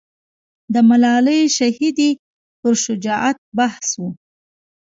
د ملالۍ شهیدې پر شجاعت بحث و.